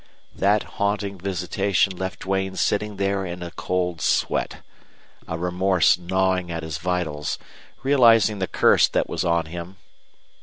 That haunting visitation left Duane sitting there in a cold sweat, a remorse gnawing at his vitals, realizing the curse that was on him.